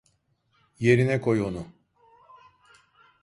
Yerine koy onu.